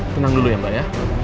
tenang dulu ya mbak ya